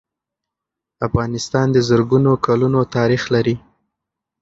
افغانستان د زرګونو کلونو تاریخ لري.